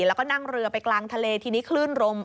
แล้วก็นั่งเรือไปกลางทะเลทีนี้คลื่นลม